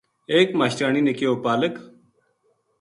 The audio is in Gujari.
ایک ماشٹریانی نے کہیو:”پالک